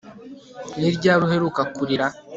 Ni ryari uheruka kurira